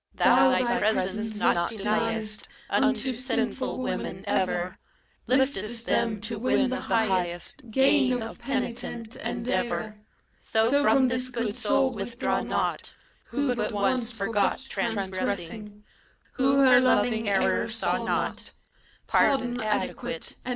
— THE THREE. Thou Thy presence not deniest Unto sinful women ever, — Liftest them to win the highest Gain of penitent endeavor, — So, from this good soul withdraw not — Who but once forgot, transgressing, Who her loving error saw not — Pardon adequate, and blessing!